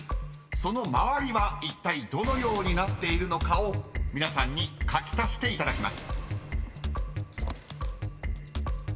［その周りはいったいどのようになっているのかを皆さんに描き足していただきます］